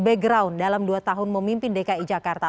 background dalam dua tahun memimpin dki jakarta